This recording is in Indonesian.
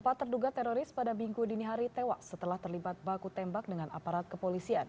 empat terduga teroris pada minggu dini hari tewas setelah terlibat baku tembak dengan aparat kepolisian